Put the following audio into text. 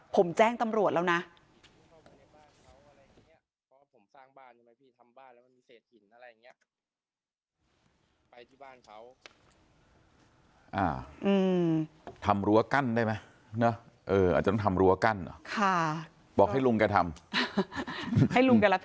ผมแจ้งตำรวจแล้วนะ